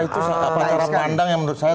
itu cara pandang yang menurut saya